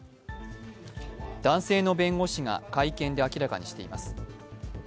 男性の弁護士が会見で明らかにしています。